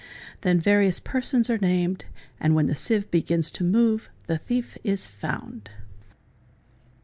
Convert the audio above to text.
— Then various persons are named and when the sieve begins to move the thief is found.